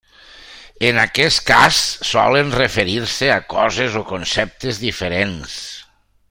En aquest cas solen referir-se a coses o conceptes diferents.